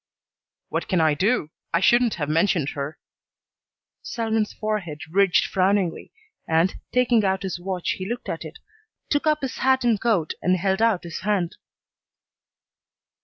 "What can I do? I shouldn't have mentioned her." Selwyn's forehead ridged frowningly, and, taking out his watch, he looked at it, took up his hat and coat, and held out his hand.